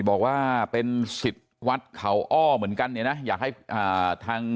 บอกว่าเป็นสิทธิ์วัดเขาอ้อเหมือนกันเนี่ยนะอยากให้อ่าทาง